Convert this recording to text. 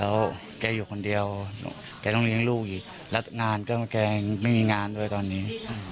แล้วแกอยู่คนเดียวแกต้องเลี้ยงลูกอีกแล้วงานก็แกไม่มีงานด้วยตอนนี้